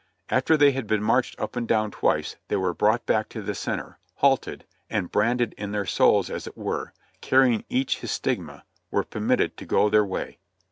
After they had been marched up and down twice they were brought back to the center, halted, and, branded in their souls as it were, carryino each his stigma, were permitted to go their way.